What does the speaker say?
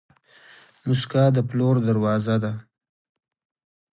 موسکا د پلور دروازه ده.